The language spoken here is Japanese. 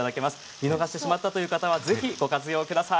見逃してしまった方もう一度、見たいという方はぜひご活用ください。